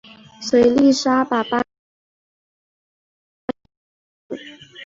所以丽莎把班德到弗林克教授的实验室。